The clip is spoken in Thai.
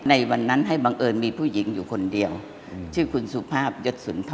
ในวันนั้นให้บังเอิญมีผู้หญิงอยู่คนเดียวชื่อคุณสุภาพยศสุนทร